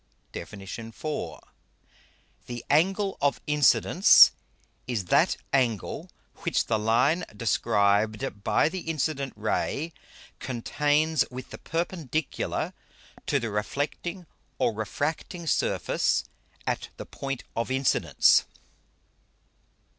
DEFIN. IV. _The Angle of Incidence is that Angle, which the Line described by the incident Ray contains with the Perpendicular to the reflecting or refracting Surface at the Point of Incidence.